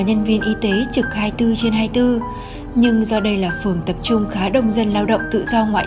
nhân viên y tế trực hai mươi bốn trên hai mươi bốn nhưng do đây là phường tập trung khá đông dân lao động tự do ngoại